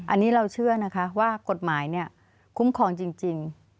อันนี้เราเชื่อนะคะว่ากฎหมายคุ้มครองจริง